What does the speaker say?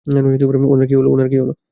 ওনার কী হলো?